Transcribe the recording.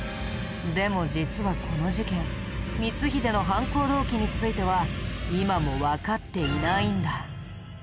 でも実はこの事件光秀の犯行動機については今もわかっていないんだ。